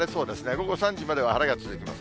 午後３時までは晴れが続きます。